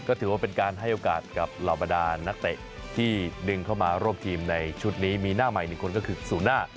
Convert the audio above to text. ก็ถือว่าเป็นการให้โอกาสกับเหล่าบรรดานักเตะที่ดึงเข้ามาร่วมทีมในชุดนี้มีหน้าใหม่หนึ่งคนก็คือซูน่า